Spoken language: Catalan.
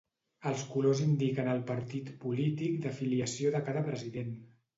Els colors indiquen el partit polític d'afiliació de cada president.